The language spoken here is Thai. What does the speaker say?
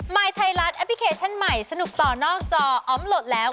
ยไทยรัฐแอปพลิเคชันใหม่สนุกต่อนอกจออมโหลดแล้ว